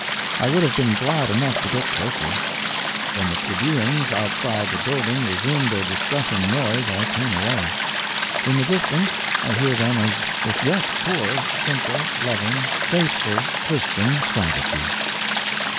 I would have been glad enough to get closer. When the plebeians outside the building resumed their distressing noise I came away. In the distance I hear them at if yet, poor, simple, loving, faithful, Christian savages.